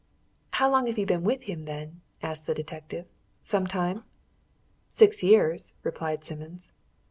"How long have you been with him, then?" asked the detective. "Some time?" "Six years," replied Simmons.